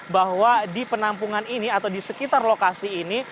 bahwa di penampungan ini atau di sekitar lokasi ini